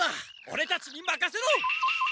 オレたちにまかせろ！